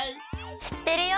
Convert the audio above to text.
しってるよ！